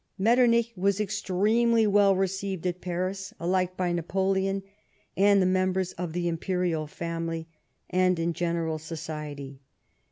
Metternich was extremely well received at Paris, alike by Napoleon and the members of the Imperial family, and in general society.